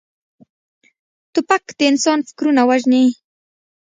توپک د انسان فکرونه وژني.